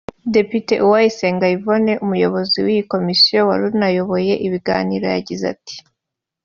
Depite Uwayisenga Yvonne umuyobozi w’iyi komisiyo wari unayoboye ibiganiro yagize ati